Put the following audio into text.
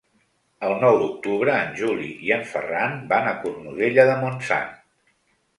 El nou d'octubre en Juli i en Ferran van a Cornudella de Montsant.